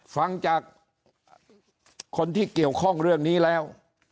ฟังจากคนที่เกี่ยวข้องเรื่องนี้แล้ว